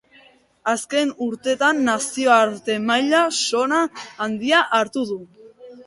Azken urteetan Nazioarte mailan sona handia hartu du.